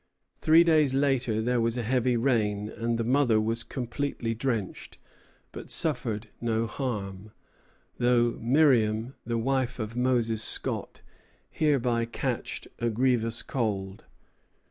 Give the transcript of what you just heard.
Three days after, there was a heavy rain, and the mother was completely drenched, but suffered no harm, though "Miriam, the wife of Moses Scott, hereby catched a grievous cold."